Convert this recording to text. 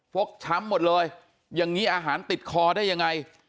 กช้ำหมดเลยอย่างนี้อาหารติดคอได้ยังไง